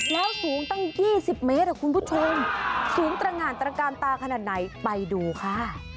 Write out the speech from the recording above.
แล้วสูงตั้ง๒๐เมตรคุณผู้ชมสูงตรงานตระกาลตาขนาดไหนไปดูค่ะ